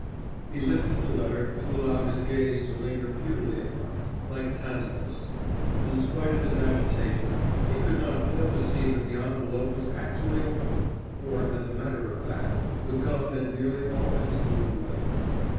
He lifted the letter to allow his gaze to linger futilely upon it, like Tantalus.... In spite of his agitation he could not fail to see that the envelope was actually open, for, as a matter of fact, the gum had nearly all been steamed away....